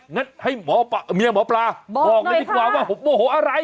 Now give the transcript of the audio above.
นัดให้หมอบะเมียหมอปลาบอกด้วยกว่าว่าโมโหอะไร